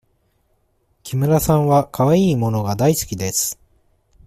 木村さんはかわいい物が大好きです。